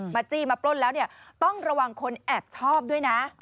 จี้มาปล้นแล้วเนี่ยต้องระวังคนแอบชอบด้วยนะ